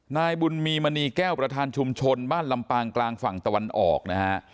นายบุญมีมณีแก้วประธานชุมชนบ้านลำปางกลางฝั่งตะวันออกนะฮะ